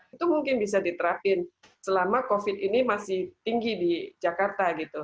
itu mungkin bisa diterapkan selama covid ini masih tinggi di jakarta gitu